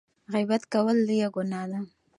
غیبت کول لویه ګناه ده.